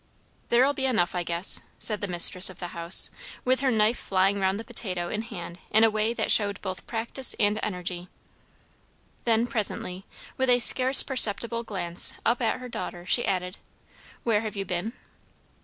"There'll be enough, I guess," said the mistress of the house, with her knife flying round the potato in hand in a way that showed both practice and energy. Then presently, with a scarce perceptible glance up at her daughter, she added, "Where have you been?"